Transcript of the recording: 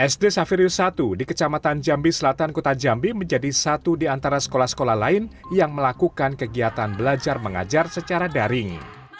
sd saferius satu di kecamatan jambi selatan kota jambi menjadi satu di antara sekolah sekolah lain yang melakukan kegiatan belajar mengajar secara daring